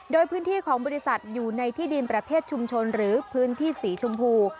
โดยพื้นที่ของบริษัทอยู่ในที่ดินประเภทชุมชนหรือพื้นที่สีชมพู